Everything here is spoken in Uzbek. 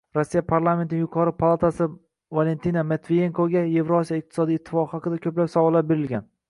Rossiya parlamentining yuqori palatasi Valentina Matviyenkoga Evrosiyo iqtisodiy ittifoqi haqida ko'plab savollar berilgan